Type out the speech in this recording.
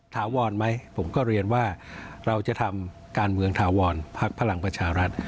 ถาวรไหมผมก็เรียนว่าเราจะทำการเมืองถาวรพักพลังประชารัฐ